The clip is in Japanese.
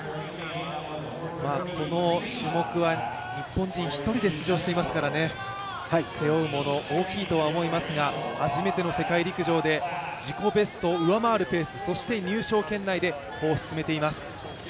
この種目は日本人１人で出場してますから背負うもの、大きいとは思いますが初めての世界陸上で自己ベストを上回るペース、そして自己記録を上回るペースで歩を進めています。